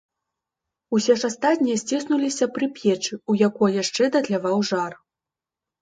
Усе ж астатнія сціснуліся пры печы, у якой яшчэ датляваў жар.